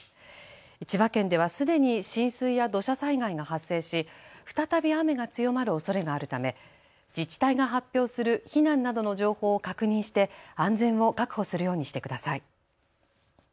千葉県ではすでに浸水や土砂災害が発生し再び雨が強まるおそれがあるため自治体が発表する避難などの情報を確認して安全を確保するようにしてください。